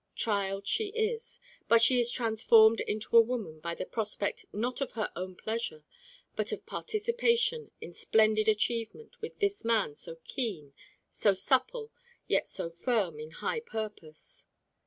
Child she is, but she is transformed into a woman by the prospect not of her own pleasure, but of participation in splendid achievement with this man so keen, so supple, yet so firm in high purpose.